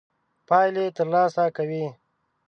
پايلې تر لاسه کوي.